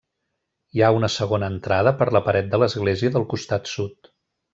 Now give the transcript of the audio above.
Hi ha una segona entrada per la paret de l'església del costat sud.